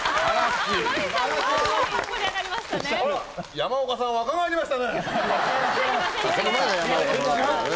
山岡さん若返りましたね。